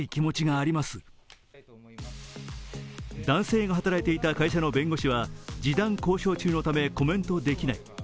男性が働いていた会社の弁護士は示談交渉中のため、コメントできない。